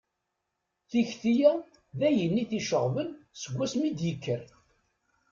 Tikti-a, d ayen i t-iceɣben seg wasmi i d-yekker